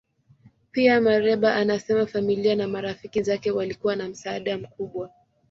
Pia, Mereba anasema familia na marafiki zake walikuwa na msaada mkubwa.